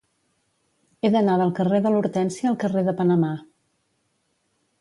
He d'anar del carrer de l'Hortènsia al carrer de Panamà.